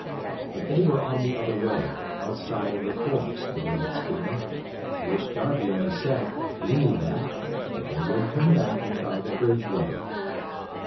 But they were on the other road, outside of the forks, the girl explained, to which Darby only said, he knew that, but they would come back and try the bridge road.